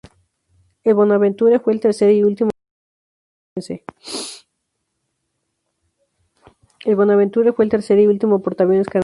El "Bonaventure" fue el tercer y último portaaviones canadiense.